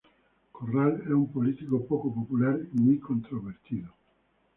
Corral era un político poco popular y muy controvertido.